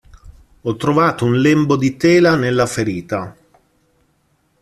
Ho trovato un lembo di tela nella ferita.